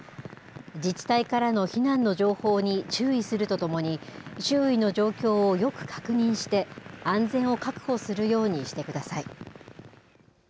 自治体からの避難の情報に注意するとともに、周囲の状況をよく確認して、安全を確保するようにしてください。